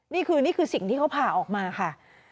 นี่คือนี่คือสิ่งที่เขาผ่าออกมาค่ะ